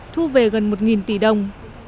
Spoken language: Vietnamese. thu về gần một tỷ đồng